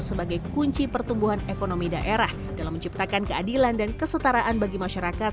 sebagai kunci pertumbuhan ekonomi daerah dalam menciptakan keadilan dan kesetaraan bagi masyarakat